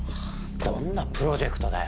どんなプロジェクトだよ？